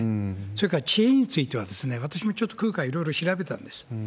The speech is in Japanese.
それから知恵については、私もちょっと空海、いろいろ調べたんです。